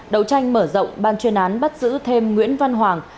đầu tranh mở rộng ban chuyên án bắt giữ thêm nguyễn văn hoàng